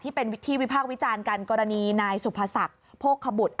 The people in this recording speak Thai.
เป็นวิธีวิพากษ์วิจารณ์กันกรณีนายสุภศักดิ์โภคบุตร